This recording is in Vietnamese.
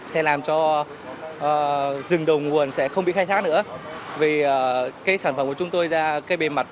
sẽ làm cho rừng đầu nguồn sẽ không bị khai thác nữa vì cái sản phẩm của chúng tôi ra cái bề mặt